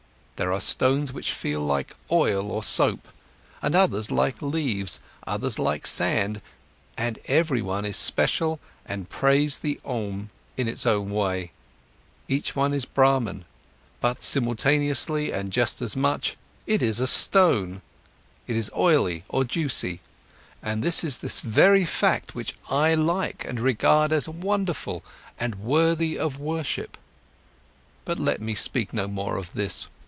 There are stones which feel like oil or soap, and others like leaves, others like sand, and every one is special and prays the Om in its own way, each one is Brahman, but simultaneously and just as much it is a stone, is oily or juicy, and this is the very fact which I like and regard as wonderful and worthy of worship.—But let me speak no more of this.